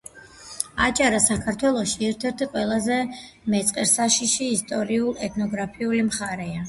აჭარა საქართველოში ერთ-ერთი ყველაზე მეწყერსაშიში ისტორიულ-ენთოგრაფიული მხარეა.